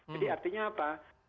jadi artinya apa